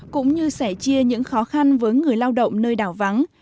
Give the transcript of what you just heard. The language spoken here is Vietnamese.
cũng như sẻ chia những khó khăn với người lao động nơi đào vắng